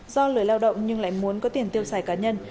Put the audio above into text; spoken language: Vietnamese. do lười lao động nhưng lại muốn có tiền tiêu xài cá nhân